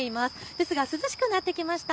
ですが涼しくなってきました。